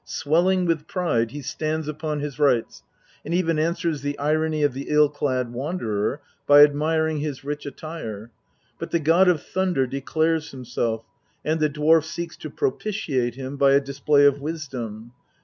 Swelling with pride he stands upon his rights, and even answers the irony of the ill clad wanderer by admiring his rich attire. But the god of Thunder declares himself, and the dwarf seeks to propitiate him by a display of wisdom.